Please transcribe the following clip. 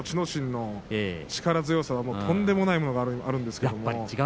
心の力強さはとんでもないものがあるんです。